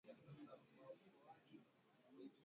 wamepelekwa katika milima na msituni ya mashariki mwa Upoland